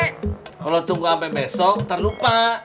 kalo tunggu sampe besok ntar lupa